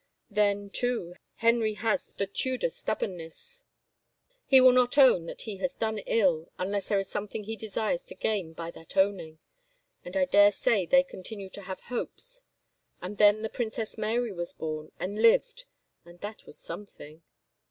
Then, too, Henry has the Tudor stubbornness — he will not own that he has done ill unless there is something he desires to gain by that owning. .,. And I dare say they continued to have hopes — and then the Princess Mary was bom and lived and that was something